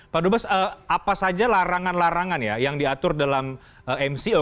pak dubes apa saja larangan larangan ya yang diatur dalam mco